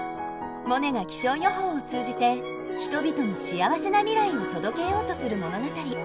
モネが気象予報を通じて人々に幸せな未来を届けようとする物語。